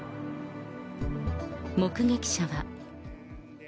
目撃者は。